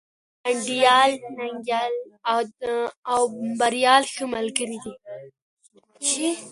انديال، ننگيال او بريال ښه ملگري دي.